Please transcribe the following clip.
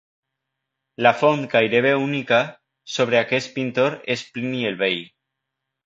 La font gairebé única sobre aquest pintor es Plini el Vell.